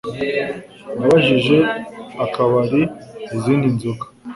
Nabajije akabari izindi nzoga